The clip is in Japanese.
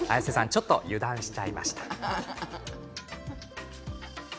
ちょっと油断しちゃいました。